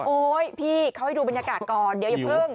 พี่เขาให้ดูบรรยากาศก่อนเดี๋ยวอย่าเพิ่ง